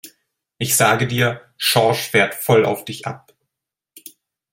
Ich sage dir, Schorsch fährt voll auf dich ab!